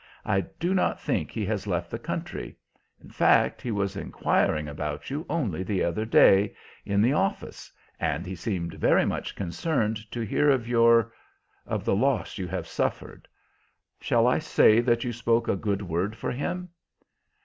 I do not think he has left the country. In fact, he was inquiring about you only the other day, in the office, and he seemed very much concerned to hear of your of the loss you have suffered. Shall I say that you spoke a good word for him?"